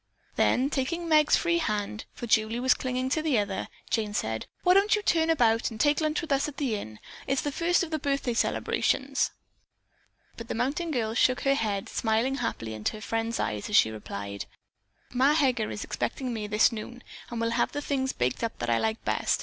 Then taking Meg's free hand, for Julie was clinging to the other, Jane said, "Won't you turn about and take lunch with us at the inn? It's the first of the birthday celebrations." But the mountain girl shook her head, smiling happily into her friend's eyes as she replied: "Ma Heger is expecting me this noon and will have the things baked up that I like best.